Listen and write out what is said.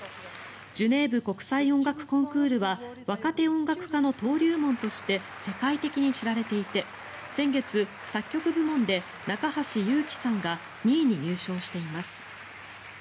ジュネーブ国際音楽コンクールは若手音楽家の登竜門として世界的に知られていて先月、作曲部門で中橋祐紀さんが２位に入賞しています。